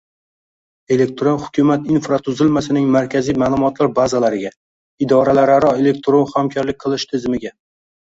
elektron hukumat infratuzilmasining markaziy ma’lumotlar bazalariga, idoralararo elektron hamkorlik qilish tizimiga